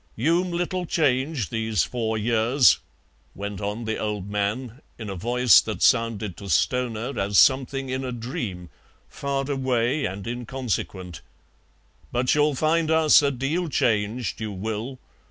"You'm little changed these four years," went on the old man, in a voice that sounded to Stoner as something in a dream, far away and inconsequent; "but you'll find us a deal changed, you will.